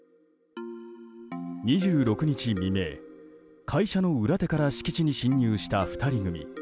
２６日未明、会社の裏手から敷地に侵入した２人組。